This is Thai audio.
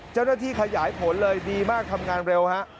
เจ้าหน้าที่ขยายผลเลยดีมากทำงานเร็วฮะ